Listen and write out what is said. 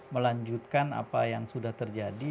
melanjutkan apa yang sudah terjadi